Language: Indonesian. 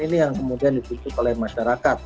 ini yang kemudian dibuntut oleh masyarakat